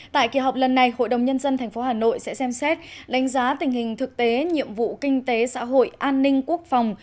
tại kỳ họp lần này hội đồng nhân dân tp hà nội sẽ xem xét đánh giá tình hình thực tế nhiệm vụ kinh tế xã hội an ninh quốc phòng